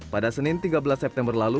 pada senin tiga belas september lalu